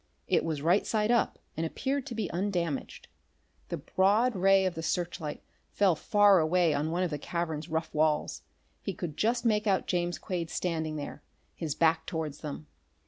It was right side up, and appeared to be undamaged. The broad ray of the searchlight fell far away on one of the cavern's rough walls. He could just make out James Quade standing there, his back towards them.